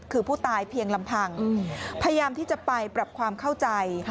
คือผู้ตายเพียงลำพังพยายามที่จะไปปรับความเข้าใจ